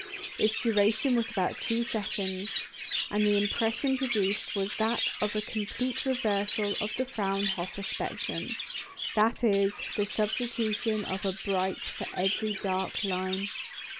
" Its duration was about two seconds, and the impression produced was that of a complete reversal of the Fraunhofer spectrum that is, the substitution of a bright for every dark line.